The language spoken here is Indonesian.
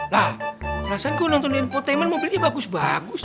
lah perasaan gua nonton di infotainment mobilnya bagus bagus